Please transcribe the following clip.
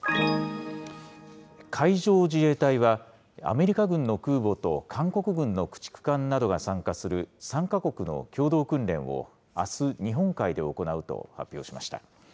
海上自衛隊は、アメリカ軍の空母と、韓国軍の駆逐艦などが参加する３か国の共同訓練をあす、日本海で行うと発表しました。